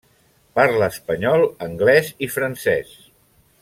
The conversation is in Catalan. Parla espanyol, anglès i francès.